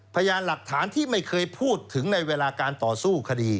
พยานหลักฐานที่ไม่เคยพูดถึงในเวลาการต่อสู้คดี